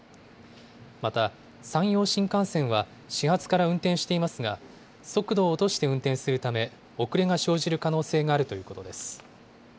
また、山陽新幹線は始発から運転していますが、速度を落として運転するため、遅れが生じる可能性があるということです。